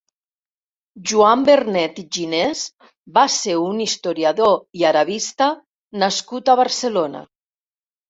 Joan Vernet i Ginés va ser un historiador i arabista nascut a Barcelona.